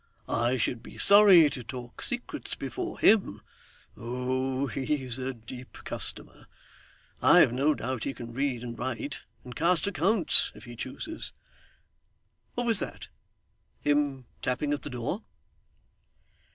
'I should be sorry to talk secrets before him. Oh! He's a deep customer. I've no doubt he can read, and write, and cast accounts if he chooses. What was that? Him tapping at the door?